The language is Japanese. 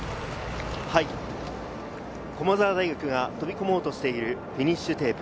駒澤大学が飛び込もうとしているフィニッシュテープ。